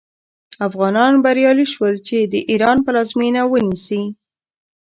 افغانان بریالي شول چې د ایران پلازمینه ونیسي.